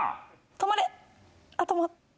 止まれ！